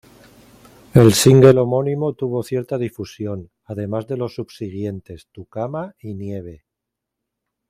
El single homónimo tuvo cierta difusión, además de los subsiguientes, "Tu Cama" y "Nieve".